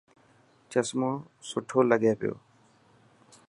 چشمو سٺو لگي پيو